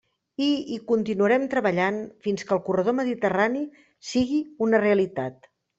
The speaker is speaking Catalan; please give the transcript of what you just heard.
I hi continuarem treballant fins que el corredor mediterrani sigui una realitat.